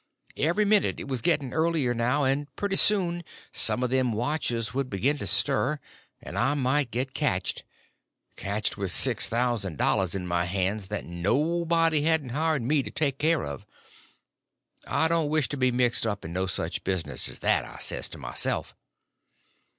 Every minute it was getting earlier now, and pretty soon some of them watchers would begin to stir, and I might get catched—catched with six thousand dollars in my hands that nobody hadn't hired me to take care of. I don't wish to be mixed up in no such business as that, I says to myself.